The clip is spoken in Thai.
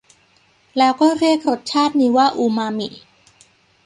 แล้วก็เรียกรสชาตินี้ว่าอูมามิ